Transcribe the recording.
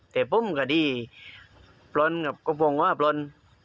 แต่ผมก็ได้ปล้นกับกองฟองว่าปล้น